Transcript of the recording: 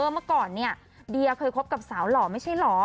เมื่อก่อนเนี่ยเดียเคยคบกับสาวหล่อไม่ใช่เหรอ